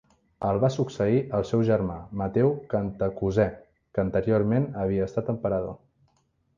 El va succeir el seu germà Mateu Cantacuzè, que anteriorment havia estat emperador.